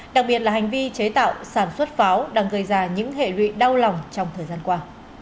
đặc biệt là hành vi chế tạo sản xuất pháo đang gây ra những hệ lụy đau lòng trong thời gian qua